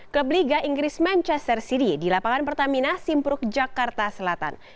klub liga inggris manchester city di lapangan pertamina simpruk jakarta selatan